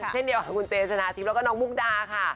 เช่นเดียวกับคุณเจชนะทิพย์แล้วก็น้องมุกดาค่ะ